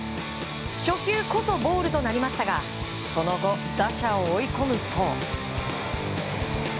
初球こそボールとなりましたがその後、打者を追い込むと。